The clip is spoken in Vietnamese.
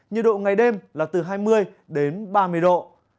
nhiệt độ ngày đêm là từ hai mươi đến ba mươi độ